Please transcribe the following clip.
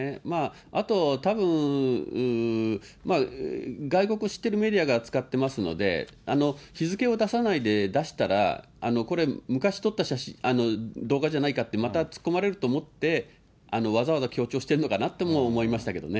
あと、たぶん外国知ってるメディアが扱ってますので、日付を出さないで出したら、これ、昔撮った動画じゃないかって、また突っ込まれると思って、わざわざ強調してるのかなとも思いましたけどね。